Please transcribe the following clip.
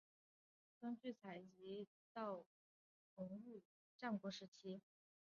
根据采集到的文物推测东水地城址最晚建于战国时期。